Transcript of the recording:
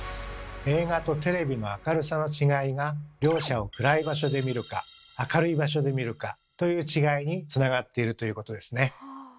映画とテレビの明るさの違いが両者を暗い場所で見るか明るい場所で見るかという違いにつながっているということですね。